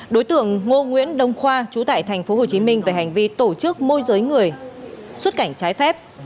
đối tượng ngô nguyễn đông khoa trú tại tp hcm về hành vi tổ chức môi giới người xuất cảnh trái phép